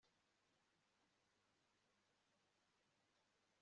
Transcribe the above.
umuturage yashoboraga kubona imyenda ya khaki yabapolisi bakwirakwiza